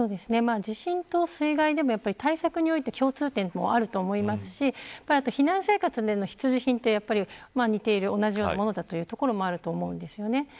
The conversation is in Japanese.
地震と水害でも対策において共通点もあると思いますし避難生活での必需品って同じようなものだというところもあると思うんですよね。